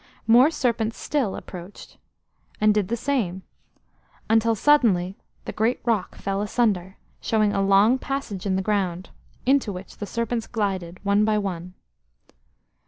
More serpents still approached, and did the same, until suddenly the great rock fell asunder, showing a long passage in the ground, into which the serpents glided, one by one.